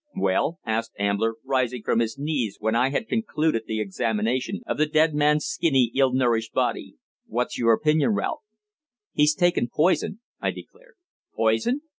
"Well?" asked Ambler, rising from his knees when I had concluded the examination of the dead man's skinny, ill nourished body. "What's your opinion, Ralph?" "He's taken poison," I declared. "Poison?